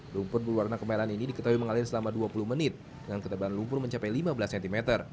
lumpur berwarna kemerahan ini diketahui mengalir selama dua puluh menit dengan ketebalan lumpur mencapai lima belas cm